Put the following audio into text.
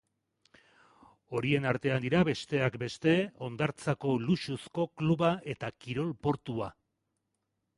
Horien artean dira, besteak beste, hondartzako luxuzko kluba eta kirol-portua.